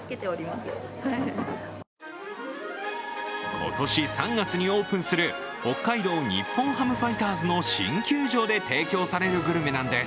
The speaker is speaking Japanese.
今年３月にオープンする北海道日本ハムファイターズの新球場で提供されるグルメなんです。